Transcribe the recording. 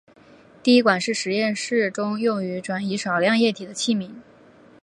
滴管是实验室中用于转移少量液体的器皿。